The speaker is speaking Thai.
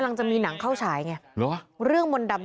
เพราะผมมีหนังข้าวฉายไง